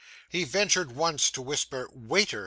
He ventured once to whisper, 'Waiter!